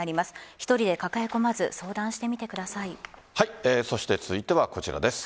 １人で抱え込まずそして続いてはこちらです。